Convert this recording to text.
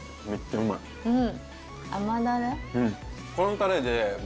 うん！